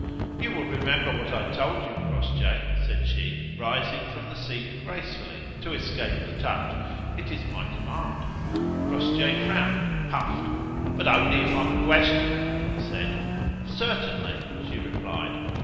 "You will remember what I told you, Crossjay," said she, rising from the seat gracefully to escape the touch. "It is my command." Crossjay frowned and puffed. "But only if I'm questioned," he said. "Certainly," she replied.